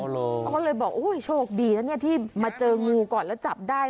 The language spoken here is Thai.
เขาก็เลยบอกโอ้ยโชคดีนะเนี่ยที่มาเจองูก่อนแล้วจับได้